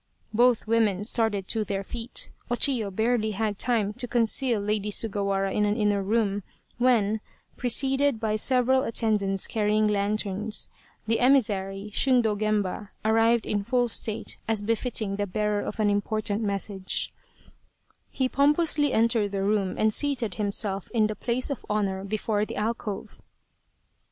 Both women started to their feet. O Chiyo barely had time to conceal Lady Sugawara in an inner room, when, preceded by several attendants carrying lan terns, the emissary, Shundo Gemba, arrived in full state as befitting the bearer of an important message * The Fuiiwara Minister. 182 Loyal, Even Unto Death he pompously entered the room and seated himself in the place of honour before the alcove.